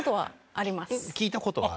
聞いた事はある。